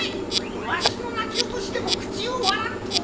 わしのなきおとしでもくちをわらんとは。